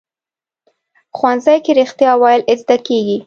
ښوونځی کې رښتیا ویل زده کېږي